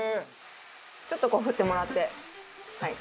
ちょっとこう振ってもらって。